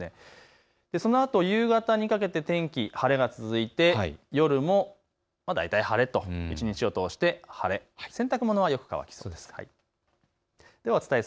そのあと夕方にかけて天気、晴れが続いて夜も大体晴れと、一日を通して晴れ、洗濯物はよく乾きそうです。